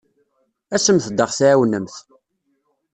Asemt-d ad aɣ-tɛawnemt.